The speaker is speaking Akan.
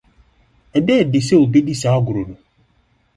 Ɛda adi sɛ obedi saa agoru no.